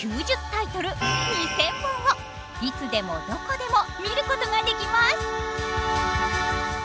タイトル２，０００本をいつでもどこでも見ることができます。